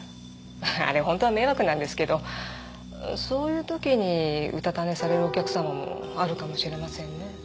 あれ本当は迷惑なんですけどそういう時にうたた寝されるお客様もあるかもしれませんね。